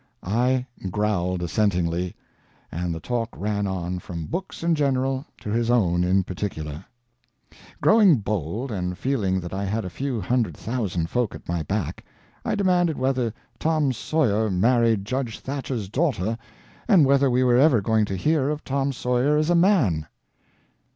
I growled assentingly, and the talk ran on from books in general to his own in particular. Growing bold, and feeling that I had a few hundred thousand folk at my back, I demanded whether Tom Sawyer married Judge Thatcher's daughter and whether we were ever going to hear of Tom Sawyer as a man.